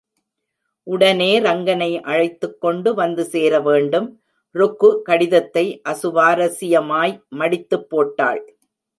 உடனே ரங்கனை அழைத்துக் கொண்டு வந்து சேரவேண்டும். ருக்கு கடிதத்தை அசுவாரசியமாய் மடித்துப் போட்டாள்.